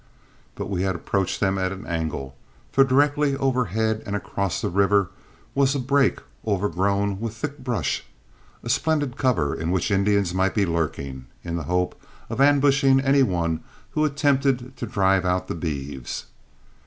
But we had approached them at an angle, for directly over head and across the river was a brake overgrown with thick brush, a splendid cover in which Indians might be lurking in the hope of ambushing any one who attempted to drive out the beeves.